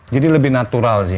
jadi lebih natural sih